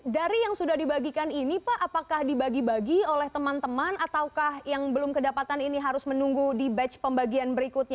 dari yang sudah dibagikan ini pak apakah dibagi bagi oleh teman teman ataukah yang belum kedapatan ini harus menunggu di batch pembagian berikutnya